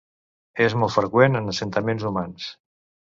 És molt freqüent en assentaments humans.